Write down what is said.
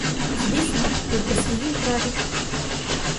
Звісно, ви при своїм праві.